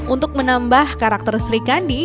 untuk menambah karakter srikandi